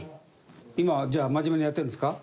今はじゃあ真面目にやってるんですか？